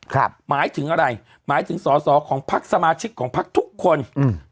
หมายถึงอะไรหมายถึงสอสอของพักสมาชิกของพักทุกคนอืม